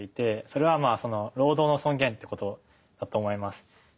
それは労働の尊厳ってことだと思います。